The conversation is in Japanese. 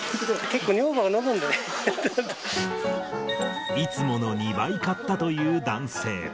結構、いつもの２倍買ったという男性。